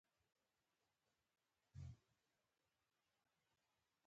سلیمان غر د افغانستان د طبیعي زیرمو برخه ده.